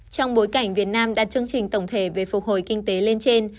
trong bối cảnh việt nam đạt chương trình tổng thể về phục hồi kinh tế lên trên